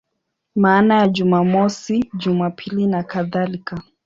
Maana ya Jumamosi, Jumapili nakadhalika.